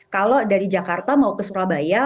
kalau dari jakarta mau ke surabaya